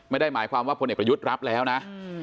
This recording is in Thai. ไม่ได้หมายความว่าพลเอกประยุทธ์รับแล้วนะ